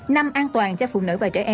năm an toàn cho phụ nữ và trẻ em